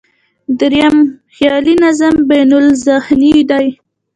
درېیم، خیالي نظم بینالذهني دی.